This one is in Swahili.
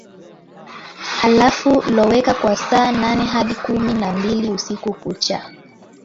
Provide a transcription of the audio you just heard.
halafu loweka kwa saa nane hadi kumi na mbili usiku kucha